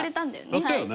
やったよね？